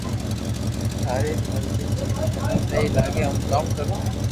ٿاري مرزي جيم ٿني سھي لاگي ھون ڪاو ڪرو